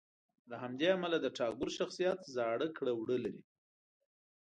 له همدې امله د ټاګور شخصیت زاړه کړه وړه لري.